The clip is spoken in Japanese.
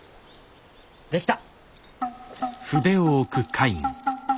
できた！